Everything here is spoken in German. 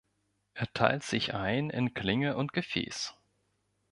Er teilt sich ein in Klinge und Gefäß.